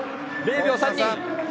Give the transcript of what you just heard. ０秒３２。